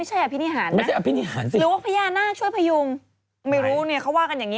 อเรนนี่ส์ก็ใช่ไงปืนเขาหลุดกระสุนเขาดี